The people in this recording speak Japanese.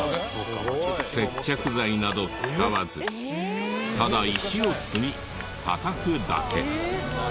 接着剤など使わずただ石を積みたたくだけ。